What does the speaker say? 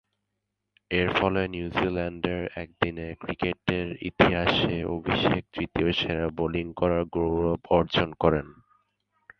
এরফলে নিউজিল্যান্ডের একদিনের ক্রিকেটের ইতিহাসে অভিষেকে তৃতীয় সেরা বোলিং করার গৌরব অর্জন করেন।